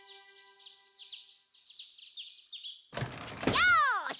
よし！